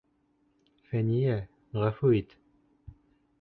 Фәниә, ғәфү ит.